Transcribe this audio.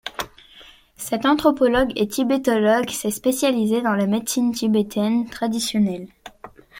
Cet anthropologue et tibétologue s'est spécialisé dans la médecine tibétaine traditionnelle.